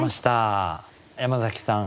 山崎さん